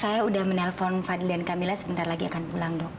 saya udah menelpon fadli dan camilla sebentar lagi akan pulang dok